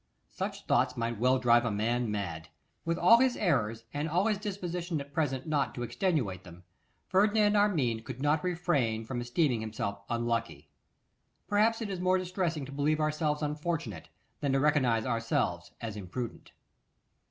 Such thoughts might well drive a man mad. With all his errors, and all his disposition at present not to extenuate them, Ferdinand Armine could not refrain from esteeming himself unlucky. Perhaps it is more distressing to believe ourselves unfortunate, than to recognise ourselves as imprudent.